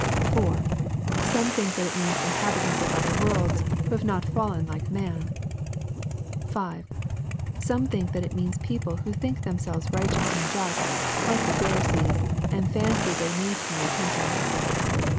4. Some think that it means the inhabitants of other worlds^ who have not fallen like man, 5. Some think that it means people who think themsehrea righteous and just, like the Pharisees, and fancy they need no re pentance.